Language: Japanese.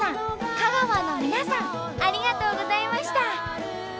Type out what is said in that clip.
香川の皆さんありがとうございました！